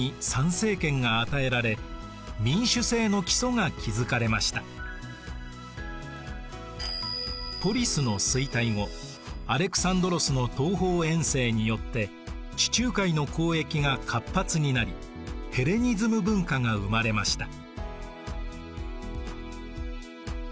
アテネではさまざまな改革が進められポリスの衰退後アレクサンドロスの東方遠征によって地中海の交易が活発になりヘレニズム文化が生まれました。